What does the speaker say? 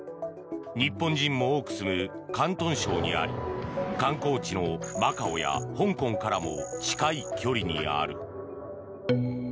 日本人も多く住む広東省にあり観光地のマカオや香港からも近い距離にある。